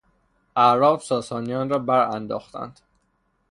اعراب ساسانیان را برانداختند.